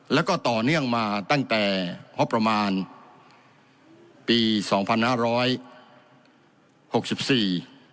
แล้วก็ต่อเนื่องมาตั้งแต่งบประมาณปีสองพันห้าร้อยหกสิบสี่